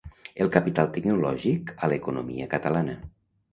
El capital tecnològic a l'economia catalana.